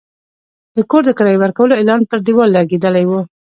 د کور د کرایې ورکولو اعلان پر دېوال لګېدلی و.